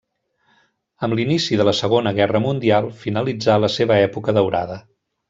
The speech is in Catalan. Amb l'inici de la Segona Guerra Mundial finalitzà la seva època daurada.